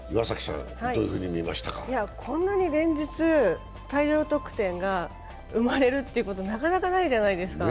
こんなに連日、大量得点が生まれるということなかなかないじゃないですか。